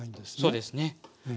そうですね。